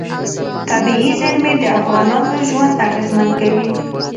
طبیعي زیرمې د افغانانو ژوند اغېزمن کوي.